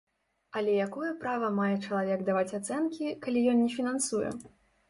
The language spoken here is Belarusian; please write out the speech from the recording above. Але якое права мае чалавек даваць ацэнкі, калі ён не фінансуе?